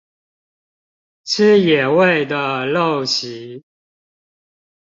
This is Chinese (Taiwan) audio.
吃野味的陋習